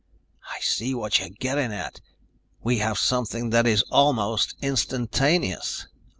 "I see what you are getting at! We have something that is almost instantaneous!"